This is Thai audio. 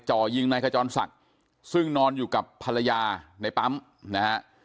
จ่อยิงนายขจรศักดิ์ซึ่งนอนอยู่กับภรรยาในปั๊มนะฮะ